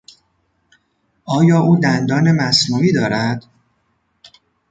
آیا او دندان مصنوعی دارد؟